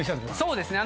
そうですね。